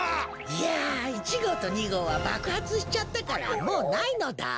いや１ごうと２ごうはばくはつしちゃったからもうないのだ。